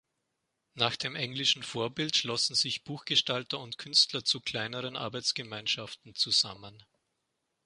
Nach dem englischen Vorbild schlossen sich Buchgestalter und Künstler zu kleineren Arbeitsgemeinschaften zusammen.